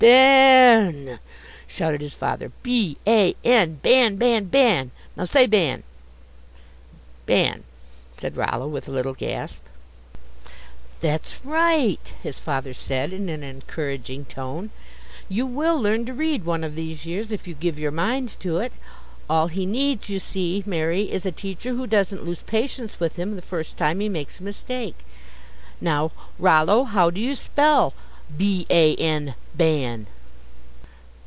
"Ba a a an!" shouted his father, "B a n, Ban, Ban, Ban! Now say Ban!" "Ban," said Rollo, with a little gasp. "That's right," his father said, in an encouraging tone; "you will learn to read one of these years if you give your mind to it. All he needs, you see, Mary, is a teacher who doesn't lose patience with him the first time he makes a mistake. Now, Rollo, how do you spell, B a n Ban?"